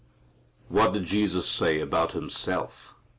What did Jesus say about Himself?